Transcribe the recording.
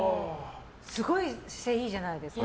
すごい姿勢がいいじゃないですか。